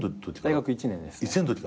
大学１年ですね。